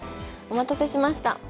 お待たせしました。